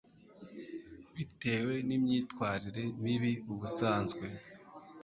bitewe n imyitwarire mibi ubusanzwe